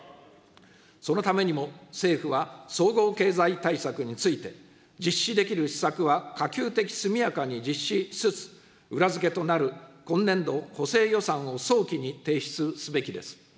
そのためにも、政府は総合経済対策について、実施できる施策は可及的速やかに実施しつつ、裏付けとなる今年度補正予算を早期に提出すべきです。